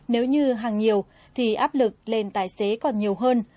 nếu như hàng nhiều thì áp lực lên tài xế còn nhiều hơn